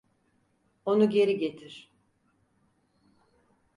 Onu geri getir!